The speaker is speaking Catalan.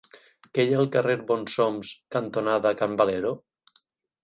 Què hi ha al carrer Bonsoms cantonada Can Valero?